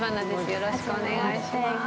よろしくお願いします。